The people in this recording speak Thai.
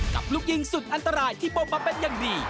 กับลูกยิงสุดอันตรายที่ปกมาเป็นอย่างดี